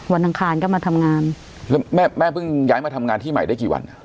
อังคารก็มาทำงานแล้วแม่แม่เพิ่งย้ายมาทำงานที่ใหม่ได้กี่วันอ่ะ